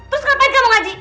terus ngapain kamu ngaji